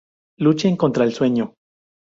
Luchen contra el sueño.